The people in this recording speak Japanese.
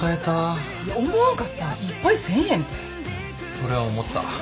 それは思った。